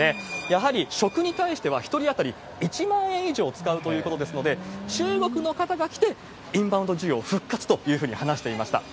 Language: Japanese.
やはり食に対しては、１人当たり１万円以上使うということですので、中国の方が来て、インバウンド需要復活というふうに話していました。